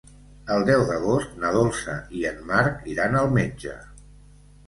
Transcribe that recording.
El deu d'agost na Dolça i en Marc iran al metge.